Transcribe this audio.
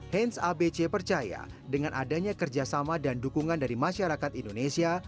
hans abc percaya dengan adanya kerjasama dan dukungan dari masyarakat indonesia